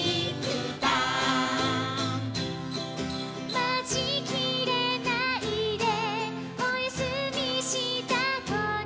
「待ちきれないでおやすみした子に」